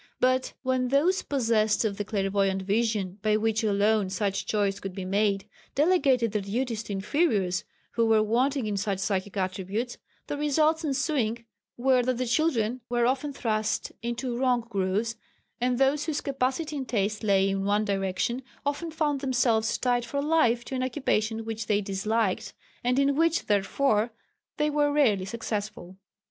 But when those possessed of the clairvoyant vision, by which alone such choice could be made, delegated their duties to inferiors who were wanting in such psychic attributes, the results ensuing were that the children were often thrust into wrong grooves, and those whose capacity and taste lay in one direction often found themselves tied for life to an occupation which they disliked, and in which, therefore, they were rarely successful.